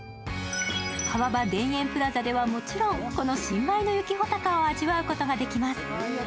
川場田園プラザではもちろん、この新米の雪ほたかを味わうことができます。